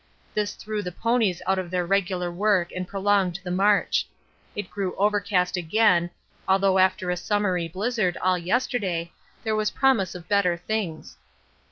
This threw the ponies out of their regular work and prolonged the march. It grew overcast again, although after a summery blizzard all yesterday there was promise of better things.